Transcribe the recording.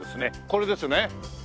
これですね。